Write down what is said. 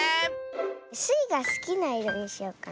スイがすきないろにしようかな。